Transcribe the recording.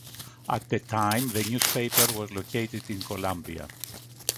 At the time, the newspaper was located in Columbia.